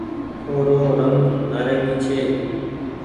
او رو رنگ نآريگي ڇي۔